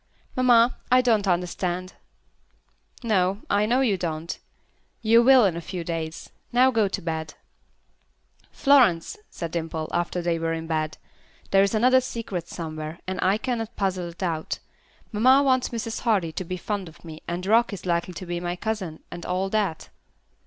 "Mamma, I don't understand." "No. I know you don't. You will in a few days. Now go to bed." "Florence," said Dimple, after they were in bed. "There is another secret somewhere, and I cannot puzzle it out. Mamma wants Mrs. Hardy to be fond of me, and Rock is likely to be my cousin, and all that."